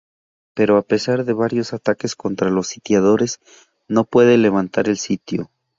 Pero a pesar de varios ataques contra los sitiadores, no puede levantar el sitio.